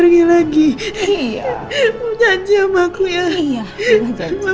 gak boleh anyway tinggal gitu aku ya